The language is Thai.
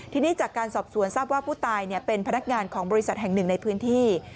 ทีนี้จากการสอบสวนทราบว่าผู้ตายเป็นพนักงานของบริษัทแห่งหนึ่งในพื้นที่